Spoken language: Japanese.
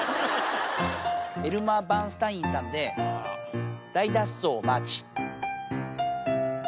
エルマー・バーンスタインさんで、大脱走マーチ。